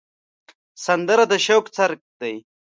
سندره د شوق څرک دی